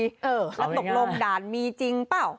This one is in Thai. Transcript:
แล้วตกลงด่านมีจริงเปล่า